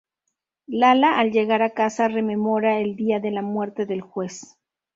Lala al llegar a casa rememora el día de la muerte del juez.